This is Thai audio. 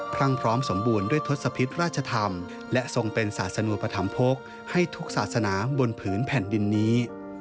รั่งพร้อมสมบูรณ์ด้วยทศพิษราชธรรมและทรงเป็นศาสนุปธรรมภกให้ทุกศาสนาบนผืนแผ่นดินนี้